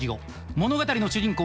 物語の主人公